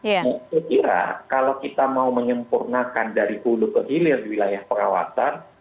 saya kira kalau kita mau menyempurnakan dari hulu ke hilir di wilayah pengawasan